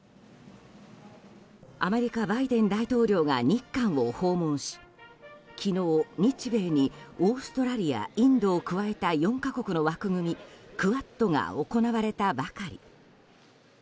アメリカ、バイデン大統領が日韓を訪問し昨日、日米にオーストラリアインドを加えた４か国の枠組みクアッドが行われたばかり。